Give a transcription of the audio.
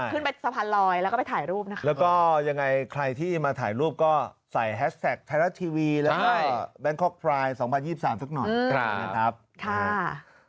ขึ้นไปสะพานลอยแล้วก็ไปถ่ายรูปนะคะแล้วก็ยังไงใครที่มาถ่ายรูปก็ใส่แฮสแท็กไทยรัฐทีวีแล้วก็แบงคอกพราย๒๐๒๓สักหน่อยนะครับค่ะ